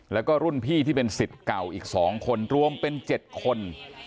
แล้วก็รุ่นพี่ที่เป็นสิทธิ์เก่าอีก๒คนรวมเป็น๗คน